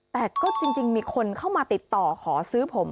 แต่ก็จริงมีคนเข้ามาติดต่อขอซื้อผม